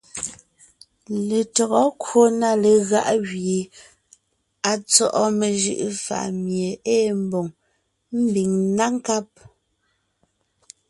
Letÿɔgɔ kwò na legáʼ gẅie à tsɔ́ʼɔ mejʉʼʉ fàʼ mie ée mbòŋ, ḿbiŋ ńná nkáb,